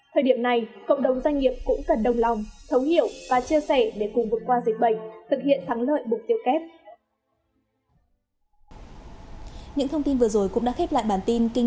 thời điểm này cộng đồng doanh nghiệp cũng cần đồng lòng thống hiểu và chia sẻ